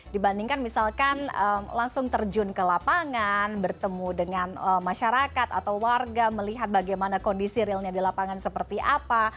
dibandingkan misalkan langsung terjun ke lapangan bertemu dengan masyarakat atau warga melihat bagaimana kondisi realnya di lapangan seperti apa